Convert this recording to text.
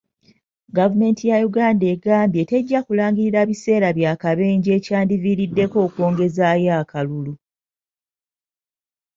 Gavumenti ya Uganda egambye tejja kulangirira biseera bya kabenje ekyandiviiriddeko okwongezaayo akalulu.